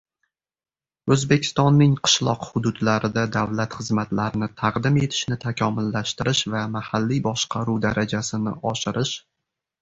“O‘zbekistonning qishloq hududlarida davlat xizmatlarini taqdim etishni takomillashtirish va mahalliy boshqaruv darajasini oshirish”